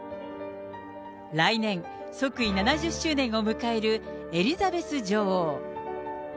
来年、即位７０周年を迎えるエリザベス女王。